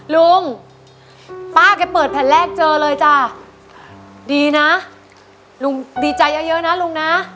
ลุงป้าแกเปิดแผ่นแรกเจอเลยจ้ะดีนะลุงดีใจเยอะเยอะนะลุงนะ